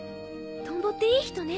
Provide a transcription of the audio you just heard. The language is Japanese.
トンボっていい人ね。